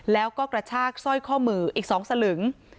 แล้วก็กระชากสร้อยข้อมืออีก๒สลึง